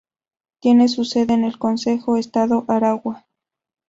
Tiene su sede en El Consejo, estado Aragua.